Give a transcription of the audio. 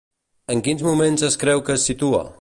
En quins moments es creu que es situa?